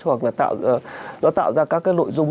hoặc là nó tạo ra các cái nội dung